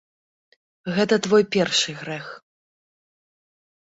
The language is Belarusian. Гэта твой першы грэх.